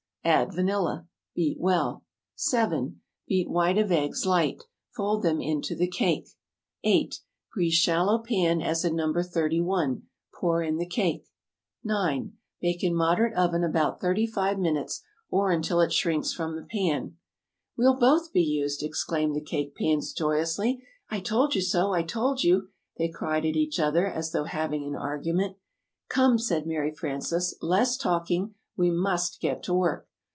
Add vanilla. Beat well. 7. Beat white of eggs light. Fold them into the cake. 8. Grease shallow pan as in No. 31. Pour in the cake. 9. Bake in moderate oven about 35 minutes, or until it shrinks from the pan. [Illustration: "Now, read the next recipe."] "We'll both be used!" exclaimed the Cake Pans, joyously. "I told you so! I told you!" they cried at each other as though having an argument. "Come," said Mary Frances, "less talking. We must get to work."